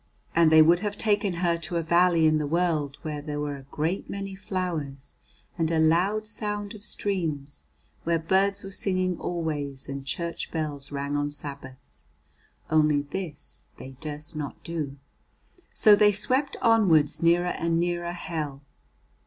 And they would have taken her to a valley in the world where there were a great many flowers and a loud sound of streams, where birds were singing always and church bells rang on Sabbaths, only this they durst not do. So they swept onwards nearer and nearer Hell.